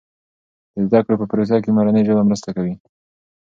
د زده کړې په پروسه کې مورنۍ ژبه مرسته کوي.